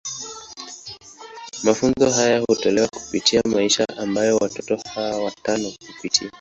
Mafunzo haya hutolewa kupitia maisha ambayo watoto hawa watano hupitia.